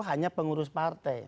hanya pengurus partai